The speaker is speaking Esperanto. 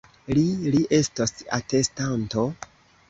Li, li estos atestanto!